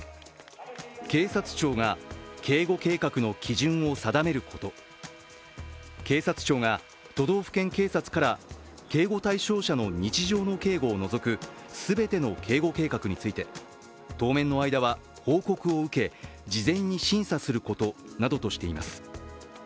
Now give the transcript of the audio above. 警察庁が警護計画の基準を定めること、警察庁が都道府県警察から警護対象者の日常の警護を除く全ての警護計画について、当面の間は報告を受け、事前に審査することなどとしています。